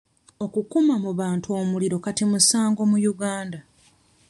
Okukuma mu bantu omuliro kati musango mu Uganda.